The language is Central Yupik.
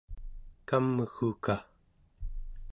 kamguka